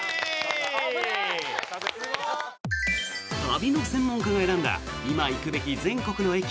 旅の専門家が選んだ今行くべき全国の駅